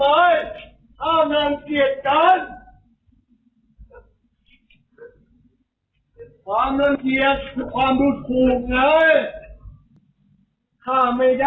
เป็นช่วงสุรม